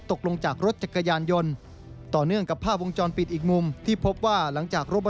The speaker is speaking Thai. เวลาจะถูกตล้องมามากนะครับ